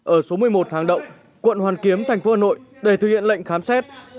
ở số một mươi một hàng động quận hoàn kiếm thành phố hà nội để thực hiện lệnh khám xét